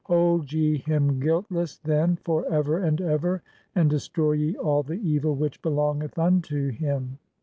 Hold [ye] him guiltless, then, "for ever and ever, and destroy ye [all] the evil which belongeth "unto him."